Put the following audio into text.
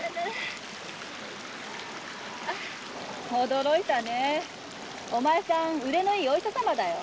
驚いたねお前さん腕のいいお医者様だよ。